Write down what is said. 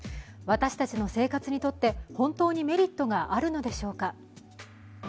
私たちの生活にとって、本当にメリットがあるのでしょうか。